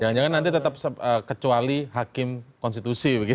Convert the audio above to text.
jangan jangan nanti tetap kecuali hakim konstitusi